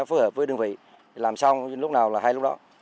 phối hợp với đơn vị làm xong lúc nào là hay lúc đó